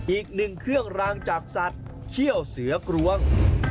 อีกหนึ่งเครื่องรางจากสัตว์เชี่ยวเสือกรวง